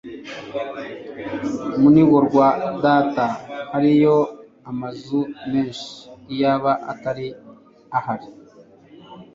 Mu nigo rwa Data hariyo amazu menshi, iyaba atari ahari